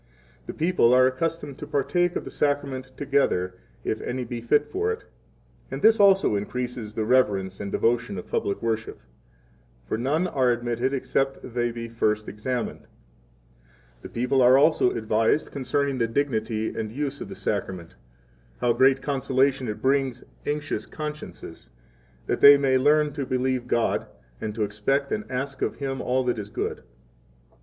5 The people are accustomed to partake of the Sacrament together, if any be fit for it, and this also increases the reverence and devotion of public 6 worship. For none are admitted 7 except they be first examined. The people are also advised concerning the dignity and use of the Sacrament, how great consolation it brings anxious consciences, that they may learn to believe God, and to expect and ask of Him all that is good.